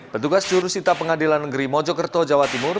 petugas jurusita pengadilan negeri mojokerto jawa timur